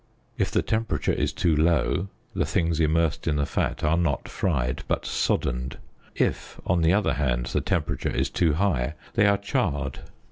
If the tem perature is too low the things immersed in the fat are not fried, but soddened; if, on the other hand, the temperature is too high, they are charred.